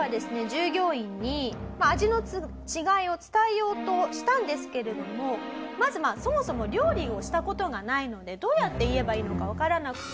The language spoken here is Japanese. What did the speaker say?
従業員に味の違いを伝えようとしたんですけれどもまずそもそも料理をした事がないのでどうやって言えばいいのかわからなくて。